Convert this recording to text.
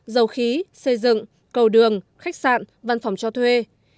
dầu khí xây dựng cầu đường khách sạn văn phòng cho thuê